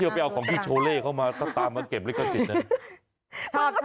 ไปเอาของพี่โชเล่เข้ามาก็ตามมาเก็บเรื่องการติด